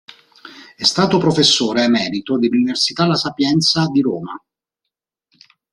È stato Professore Emerito dell'Università “La Sapienza” di Roma.